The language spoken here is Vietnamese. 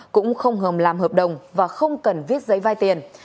cũng không hợp làm hợp đồng và không cần viết giấy vai tiền